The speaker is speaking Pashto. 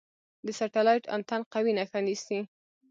د سټلایټ انتن قوي نښه نیسي.